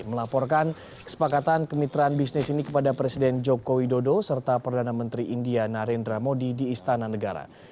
melaporkan kesepakatan kemitraan bisnis ini kepada presiden joko widodo serta perdana menteri india narendra modi di istana negara